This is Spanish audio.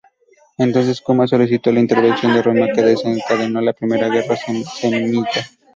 Entonces Cumas solicitó la intervención de Roma, que desencadenó la primera guerra samnita.